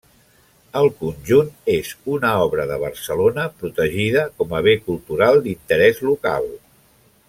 El conjunt és una obra de Barcelona protegida com a Bé Cultural d'Interès Local.